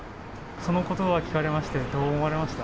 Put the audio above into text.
そのことばを聞かれまして、どう思われました？